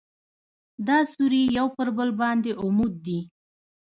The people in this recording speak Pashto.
دا سوري یو پر بل باندې عمود دي.